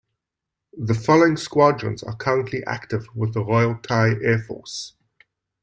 The following squadrons are currently active with the Royal Thai Air Force.